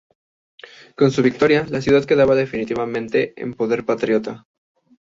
Con su victoria, la ciudad quedaba definitivamente en poder patriota.